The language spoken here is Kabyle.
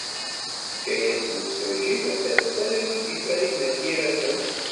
Tefka-as temsujjit asersay i Farid n At Yiraten.